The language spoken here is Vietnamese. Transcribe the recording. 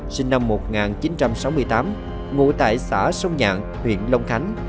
sinh năm một nghìn chín trăm sáu mươi tám ngụ tại xã sông nhan huyện long khánh